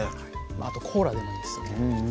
あとコーラでもいいですよね